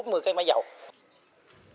cơ quan cảnh sát điều tra